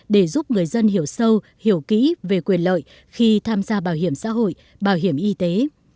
để giúp người dân hiểu sâu hiểu kỹ về quyền lợi khi tham gia bảo hiểm xã hội bảo hiểm y tế